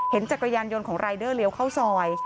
จักรยานยนต์ของรายเดอร์เลี้ยวเข้าซอย